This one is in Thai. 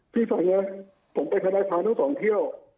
พี่ฟังนะผมไปทนายพาทั้งสองเที่ยว